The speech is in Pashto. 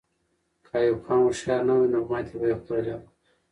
که ایوب خان هوښیار نه وای، نو ماتې به یې خوړلې وه.